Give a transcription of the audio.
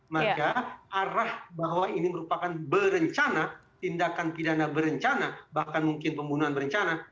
maka arah bahwa ini merupakan berencana tindakan pidana berencana bahkan mungkin pembunuhan berencana